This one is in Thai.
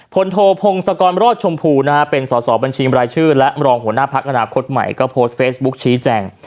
โทพงศกรรอดชมพูนะฮะเป็นสอสอบัญชีบรายชื่อและรองหัวหน้าพักอนาคตใหม่ก็โพสต์เฟซบุ๊กชี้แจง